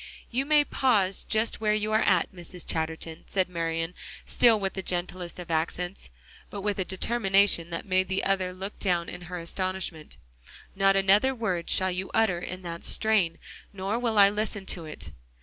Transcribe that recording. "You may pause just where you are, Mrs. Chatterton," said Marian, still with the gentlest of accents, but with a determination that made the other look down at her in astonishment, "not another word shall you utter in that strain, nor will I listen to it."